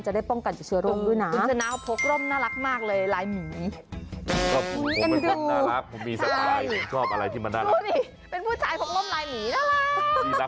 จะได้ป้องกันจักรเชื้อร่มด้วยนะ